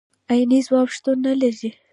عيني ځواب شتون نه لري.